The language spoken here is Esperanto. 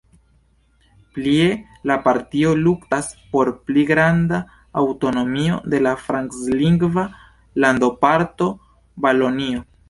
Plie la partio luktas por pli granda aŭtonomio de la franclingva landoparto Valonio.